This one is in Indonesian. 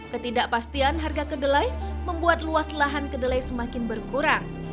ketidakpastian harga kedelai membuat luas lahan kedelai semakin berkurang